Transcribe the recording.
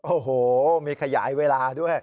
โอ้โหมีขยายเวลาด้วย